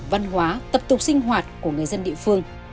văn hóa tập tục sinh hoạt của người dân địa phương